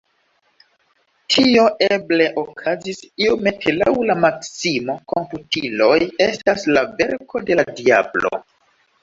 Tio eble okazis iomete laŭ la maksimo “komputiloj estas la verko de la diablo.